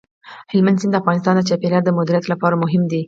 هلمند سیند د افغانستان د چاپیریال د مدیریت لپاره مهم دي.